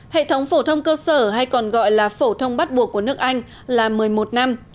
hệ thống phổ thông cơ sở hay còn gọi là phổ thông bắt buộc của nước anh là một mươi một năm